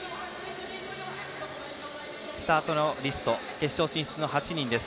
スタートのリスト決勝進出の８人です。